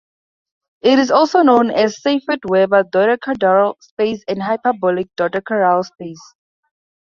It is also known as Seifert-Weber dodecahedral space and hyperbolic dodecahedral space.